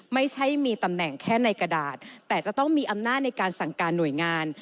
ไม่ใช่มีตำแหน่งแค่ในกระดาษแต่จะต้องมีอำนาจในการสั่งการหน่วยงาน